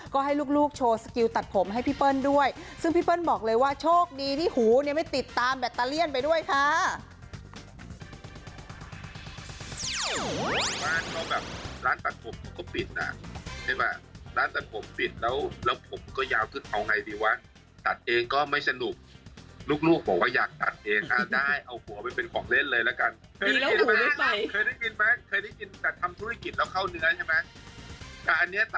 ก็ให้ลูกโชว์สกิลตัดผมให้พี่เปิ้ลด้วยซึ่งพี่เปิ้ลบอกเลยว่าโชคดีที่หูเนี่ยไม่ติดตามแบตเตอเลี่ยนไปด้วยค่ะ